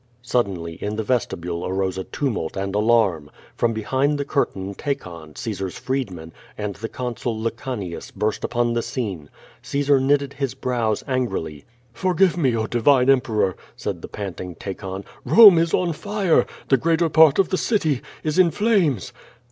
Suddenly in the vestibule arose a tumult and alarm. Prom behind the curtain Tacon, Caesar's freedman, and the Consul Lecanius burst upon the scene. Caesar knitted his brows angrily. "Forgive me, oh, divine Emperor!" said the panting Ta con. "Rome is on fire! The greater part of the city is in flames!"